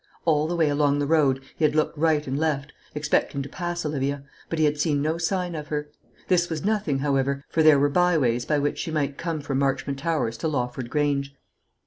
All the way along the road he had looked right and left, expecting to pass Olivia; but he had seen no sign of her. This was nothing, however; for there were byways by which she might come from Marchmont Towers to Lawford Grange.